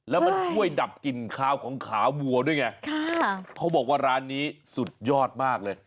แล้วมันช่วยดับกลิ่นคาวของขาวัวด้วยไงเขาบอกว่าร้านนี้สุดยอดมากเลย